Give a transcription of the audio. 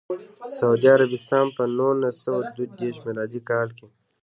سعودي عربستان په نولس سوه دوه دیرش میلادي کال کې.